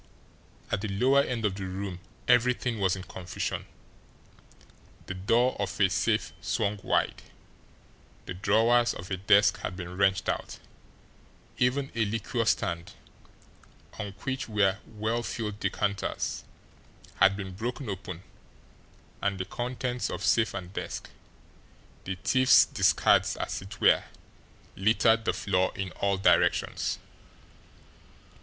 At the lower end of the room everything was in confusion; the door of a safe swung wide, the drawers of a desk had been wrenched out, even a liqueur stand, on which were well filled decanters, had been broken open, and the contents of safe and desk, the thief's discards as it were, littered the floor in all directions.